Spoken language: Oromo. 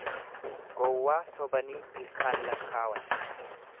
Gowwaa sobanii ilkaan lakkaawan.